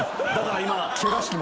だから今。